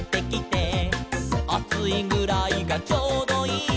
「『あついぐらいがちょうどいい』」